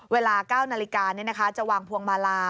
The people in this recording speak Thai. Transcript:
เวลา๙นาฬิกาจะวางพวงมาลา